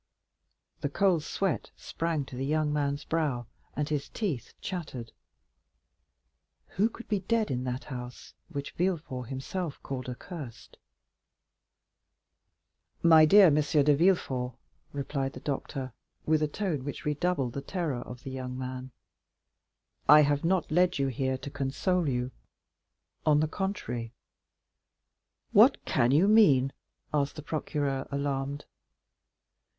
The cold sweat sprang to the young man's brow, and his teeth chattered. Who could be dead in that house, which Villefort himself had called accursed? "My dear M. de Villefort," replied the doctor, with a tone which redoubled the terror of the young man, "I have not led you here to console you; on the contrary——" "What can you mean?" asked the procureur, alarmed.